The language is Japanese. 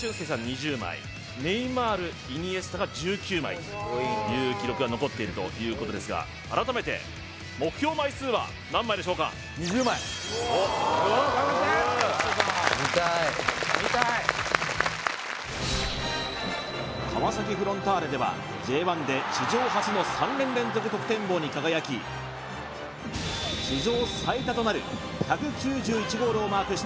２０枚ネイマールイニエスタが１９枚という記録が残っているということですが改めて目標枚数は何枚でしょうか２０枚川崎フロンターレではＪ１で史上初の３年連続得点王に輝き史上最多となる１９１ゴールをマークした